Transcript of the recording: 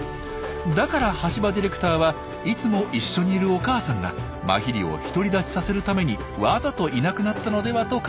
だから橋場ディレクターはいつも一緒にいるお母さんがマヒリを独り立ちさせるためにわざといなくなったのではと考えたんです。